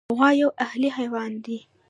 غوا یو اهلي حیوان دی.